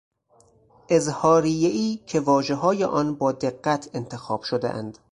اظهاریهای که واژههای آن با دقت انتخاب شدهاند